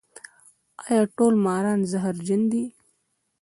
ایا ټول ماران زهرجن دي؟